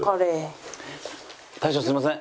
大将すみません。